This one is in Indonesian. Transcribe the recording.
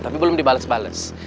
tapi belum dibalas bales